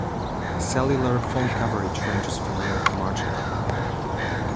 Cellular phone coverage ranges from nil to marginal.